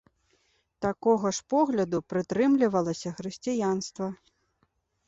Такога ж погляду прытрымлівалася хрысціянства.